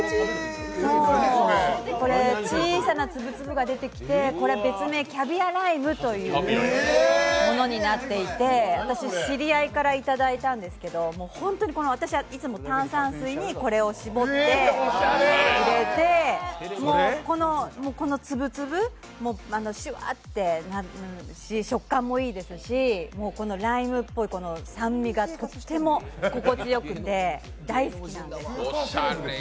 これ、小さな粒々が出てきて、別名キャビアライムというものになっていて、私、知り合いからいただいたんですけど、いつも炭酸水にこれを搾って入れてこの粒々、シュワッてなるし食感もいいですし、ライムっぽい酸味がとっても心地よくて大好きなんです。